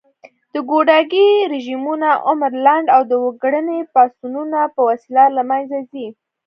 د ګوډاګي رژيمونه عمر لنډ او د وګړني پاڅونونو په وسیله له منځه ځي